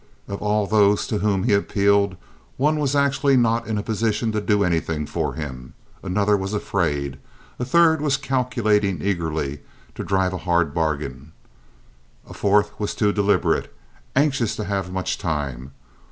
Of all those to whom he appealed one was actually not in a position to do anything for him; another was afraid; a third was calculating eagerly to drive a hard bargain; a fourth was too deliberate, anxious to have much time.